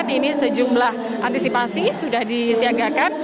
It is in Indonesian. ini sejumlah antisipasi sudah disiagakan